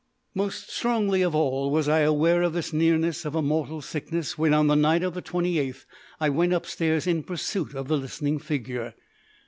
Most strongly of all was I aware of this nearness of a mortal sickness when, on the night of the 28th, I went upstairs in pursuit of the listening figure.